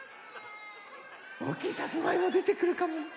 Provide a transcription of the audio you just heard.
おおきいさつまいもでてくるかもね。